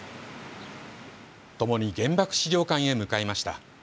ともに原爆資料館へ向かいました。